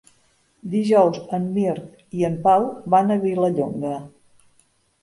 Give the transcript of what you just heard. Dijous en Mirt i en Pau van a Vilallonga.